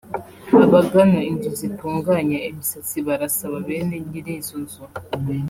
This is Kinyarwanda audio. Abagana inzu zitunganya imisatsi barasaba bene nyiri izo nzu